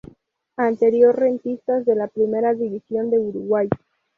Anterior Rentistas de la Primera División de Uruguay.